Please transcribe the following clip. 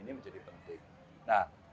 ini menjadi penting